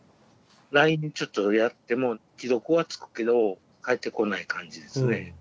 ＬＩＮＥでちょっとやっても既読はつくけど返ってこない感じですね。